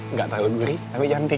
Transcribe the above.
nggak terlalu beli tapi cantik